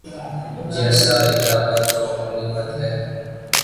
جیسا ادارہ تو غنیمت ہے۔